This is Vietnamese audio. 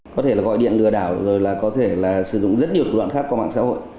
có thể là gọi điện lừa đảo rồi là có thể là sử dụng rất nhiều thủ đoạn khác qua mạng xã hội